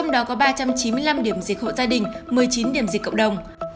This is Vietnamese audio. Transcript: hai trăm chín mươi năm điểm dịch hộ gia đình một mươi chín điểm dịch cộng đồng